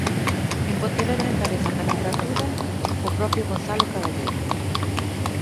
En Pontevedra encabeza a candidatura o propio Gonzalo Caballero.